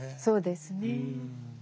そうですね。